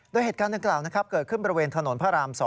โดยเหตุการณ์ดังกล่าวเกิดขึ้นบริเวณถนนพระราม๒